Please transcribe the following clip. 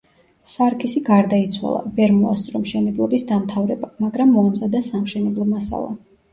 სარქისი გარდაიცვალა, ვერ მოასწრო მშენებლობის დამთავრება, მაგრამ მოამზადა სამშენებლო მასალა.